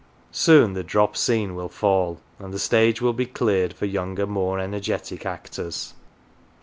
Soon the drop scene will fall, and the stage will be cleared for younger, more energetic actors.